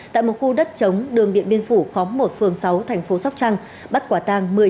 tại một khu đất chống đường biện biên phủ khóm một phương sáu thành phố sóc trăng